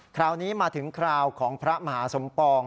คราวนี้มาถึงคราวของพระมหาสมปอง